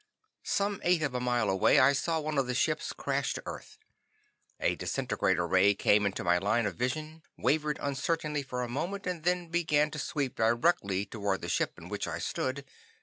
Some eighth of a mile away I saw one of the ships crash to earth. A disintegrator ray came into my line of vision, wavered uncertainly for a moment and then began to sweep directly toward the ship in which I stood.